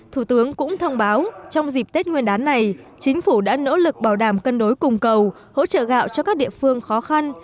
thủ tướng cũng thông báo trong dịp tết nguyên đán này chính phủ đã nỗ lực bảo đảm cân đối cùng cầu hỗ trợ gạo cho các địa phương khó khăn